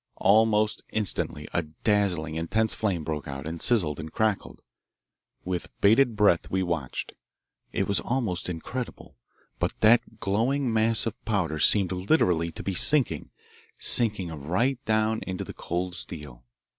Almost instantly a dazzling, intense flame broke out, and sizzled and crackled. With bated breath we watched. It was almost incredible, but that glowing mass of powder seemed literally to be sinking, sinking right down into the cold steel.